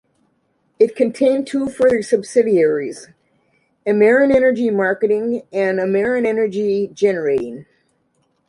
It contained two further subsidiaries, AmerenEnergy Marketing, and AmerenEnergy Generating.